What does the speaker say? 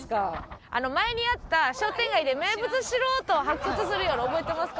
前にあった商店街で名物素人を発掘する夜覚えてますか？